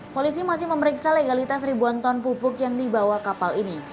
polisi masih memeriksa legalitas ribuan ton pupuk yang dibawa kapal ini